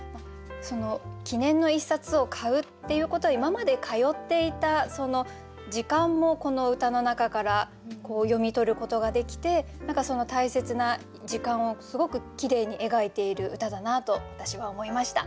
その「記念の一冊」を買うっていうことは今まで通っていたその時間もこの歌の中から読み取ることができて何かその大切な時間をすごく綺麗に描いている歌だなと私は思いました。